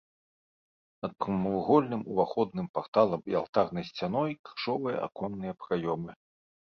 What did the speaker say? Над прамавугольным уваходным парталам і алтарнай сцяной крыжовыя аконныя праёмы.